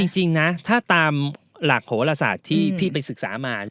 จริงนะถ้าตามหลักโหลศาสตร์ที่พี่ไปศึกษามา